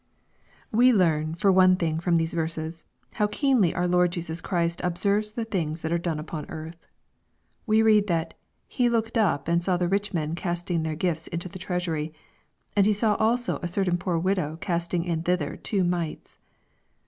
We learn, for one thing, from these verses, how keenly our Lord Jesus Christ observes the things that are done upon earth. We read that " He looked up and saw the rich men casting their gifts into the treasury. And He saw also a certain poor widow casting in thither two mites.''